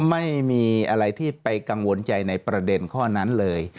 ไม่มีอะไรที่ไปกังวลใจในประเด็นข้อนั้นเลย